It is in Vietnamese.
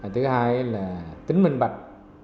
thứ hai là tính minh bạch